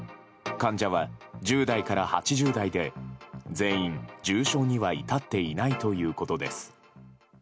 患者は１０代から８０代で全員、重症には至っていないということです。